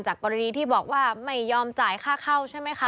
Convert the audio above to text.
กรณีที่บอกว่าไม่ยอมจ่ายค่าเข้าใช่ไหมคะ